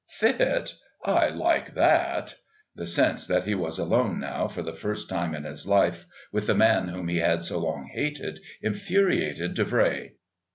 "Fit! I like that." The sense that he was alone now for the first time in his life with the man whom he had so long hated infuriated Davray.